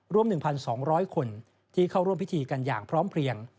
รวม๑๒๐๐คนที่เข้าร่วมพิธีกันอย่างพร้อมเพลียง